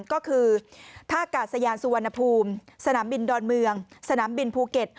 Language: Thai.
ก็คือท่ากาศยานสุวรรณภูมิสนามบินดอนเมืองสนามบินภูเก็ต